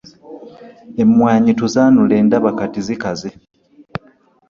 Emwanyi tuzaanule ndaba kati zikaze.